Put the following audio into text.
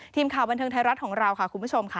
ทีมข่าวบันเทิงไทยรัฐของเราค่ะคุณผู้ชมค่ะ